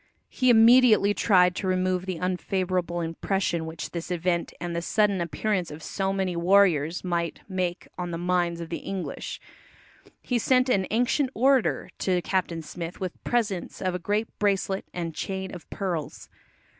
He immediately tried to remove the unfavourable impression which this event and the sudden appearance of so many warriors might make on the minds of the English. He sent an "ancient orator" to Captain Smith with presents of a great bracelet and chain of pearls.